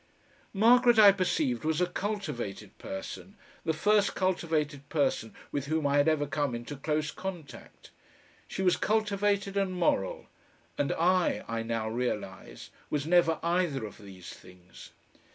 Margaret, I perceived, was a cultivated person, the first cultivated person with whom I had ever come into close contact. She was cultivated and moral, and I, I now realise, was never either of these things.